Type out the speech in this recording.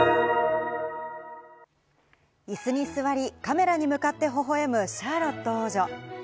椅子に座り、カメラに向かってほほ笑むシャーロット王女。